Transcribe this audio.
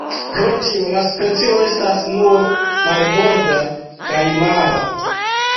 Pro tio la specio estas nur marborda kaj mara.